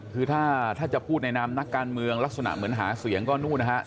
คือถ้าจะพูดในนามนักการเมืองลักษณะเหมือนหาเสียงก็นู่นนะฮะ